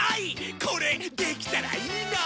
これできたらいいな！